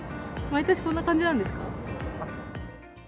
毎年こんな感じなんですか？